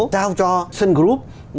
giao cho sun group